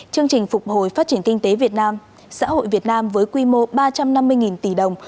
chương trình phục hồi phát triển kinh tế việt nam xã hội việt nam với quy mô ba trăm năm mươi tỷ đồng